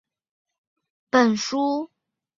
他们个人的困境也交织贯穿本书。